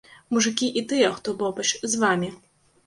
Мужыкі і тыя, хто побач з вамі!